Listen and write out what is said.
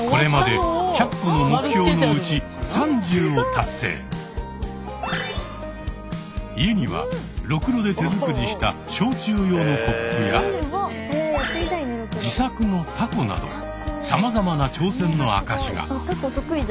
これまで家にはろくろで手作りした焼酎用のコップや自作のたこなどさまざまな挑戦の証しが。